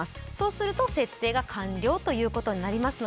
すると設定が完了するということになります。